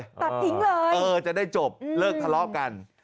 ตัดทิ้งเลยเออจะได้จบเลิกทะเลาะกัน